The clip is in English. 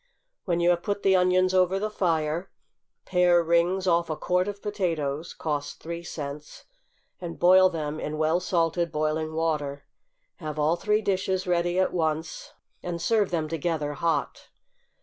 When you have put the onions over the fire, pare rings off a quart of potatoes, (cost three cents,) and boil them in well salted boiling water. Have all three dishes ready at once, and serve them together hot.